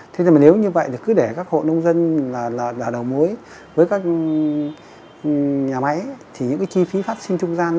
thế nhưng mà nếu như vậy thì cứ để các hộ nông dân là đầu mối với các nhà máy thì những cái chi phí phát sinh trung gian